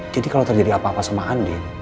jadi kalau terjadi apa apa sama andin